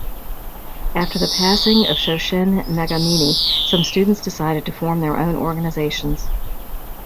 After the passing of Shoshin Nagamine, some students decided to form their own organisations.